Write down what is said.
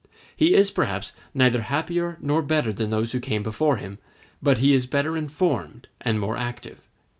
He is perhaps neither happier nor better than those who came before him, but he is better informed and more active.